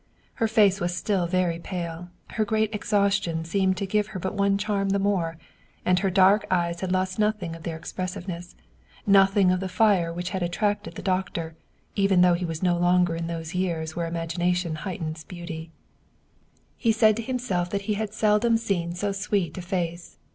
Her face was still very pale ; her great exhaustion seemed to give her but one charm the more, and her dark eyes had lost nothing of their expressiveness, nothing of the fire which had attracted the doctor, even though he was no longer in those years where imagination heightens beauty. 93 German Mystery Stories He said to himself that he had seldom seen so sweet a face.